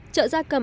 chợ gia cầm